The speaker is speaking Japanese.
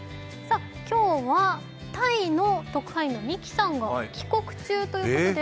今日は、タイの特派員のＭＩＫＩさんが帰国中ということで、